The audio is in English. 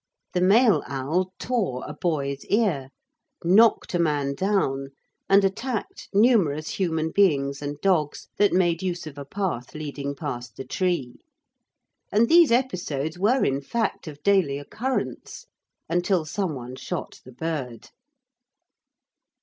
The male owl tore a boy's ear, knocked a man down, and attacked numerous human beings and dogs that made use of a path leading past the tree; and these episodes were in fact of daily occurrence until some one shot the bird.